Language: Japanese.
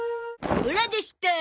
オラでした。